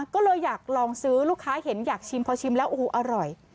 ก็เลยอยากลองซื้อลูกค้าเห็นอยากชิมพอชิมแล้วโอ้โหอร่อย